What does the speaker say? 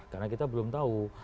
karena kita belum tahu